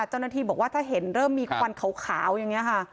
เจ้าหน้าที่บอกว่าถ้าเห็นเริ่มมีควันขาวอย่างนี้ค่ะ